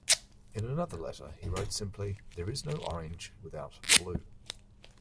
In another letter he wrote simply, there is no orange without blue.